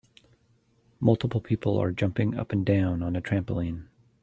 Multiple people are jumping up and down on a trampoline